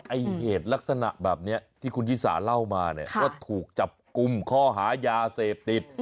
ไอ้เหตุลักษณะแบบนี้ที่คุณชิสาเล่ามาเนี่ยว่าถูกจับกลุ่มข้อหายาเสพติด